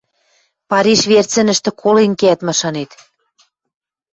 Париш верцӹнӹштӹ колен кеӓт, машанет.